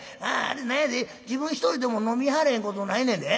何やで自分一人でも飲みはれへんことないねんで。